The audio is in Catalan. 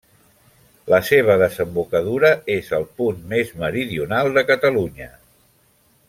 La seva desembocadura és el punt més meridional de Catalunya.